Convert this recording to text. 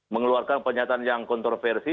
mengeluarkan pernyataan yang kontroversi